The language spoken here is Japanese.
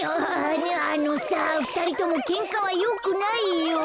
あのさふたりともけんかはよくないよ。